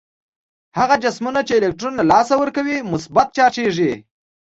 هغه جسمونه چې الکترون له لاسه ورکوي مثبت چارجیږي.